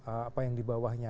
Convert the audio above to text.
apa yang dibawahnya